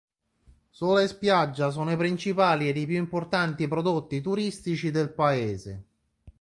Sole e spiaggia sono i principali ed i più importanti prodotti turistici del paese.